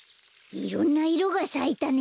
いろんないろがさいたね。